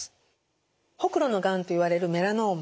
ほくろのがんといわれるメラノーマ。